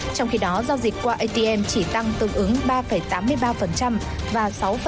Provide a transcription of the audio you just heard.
trong khi đó giao dịch qua atm chỉ tăng tương ứng ba tám mươi ba và sáu sáu mươi một